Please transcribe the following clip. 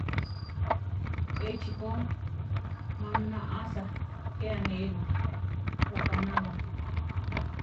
Échi ko, má naʼása, je anéiru: rapaná ba.